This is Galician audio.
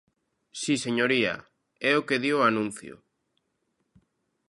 Si, señoría, é o que di o anuncio.